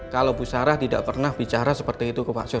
kalau bu sarah tidak pernah bicara seperti itu ke pak soe